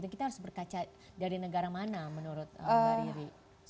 kita harus berkaca dari negara mana menurut mbak riri